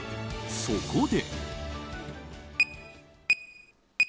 そこで。